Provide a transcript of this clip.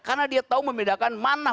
karena dia tahu membedakan mana